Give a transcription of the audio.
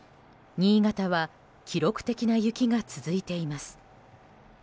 新潟は記録的な雪が続いています。